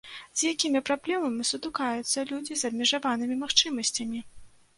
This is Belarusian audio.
З якімі праблемамі сутыкаюцца людзі з абмежаванымі магчымасцямі?